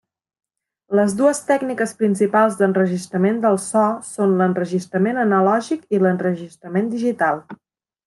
Les dues tècniques principals d'enregistrament del so són l'enregistrament analògic i l'enregistrament digital.